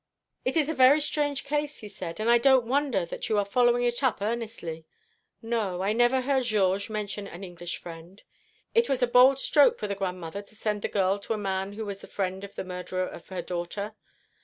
"It is a very strange case," he said, "and I don't wonder that you are following it up earnestly. No, I never heard Georges mention any English friend. It was a bold stroke for the grandmother to send the girl to a man who was the friend of the murderer of her daughter.